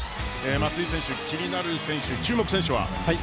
松井選手、気になる選手注目選手は？